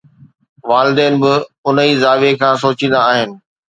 والدين به ان ئي زاويي کان سوچيندا آهن.